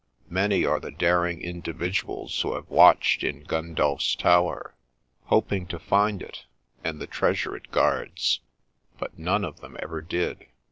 Many are the daring individuals who have watched in Gundulph's Tower, hoping to find it, and the treasure it guards ;— but none of them ever did.